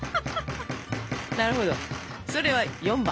なるほどそれは４番。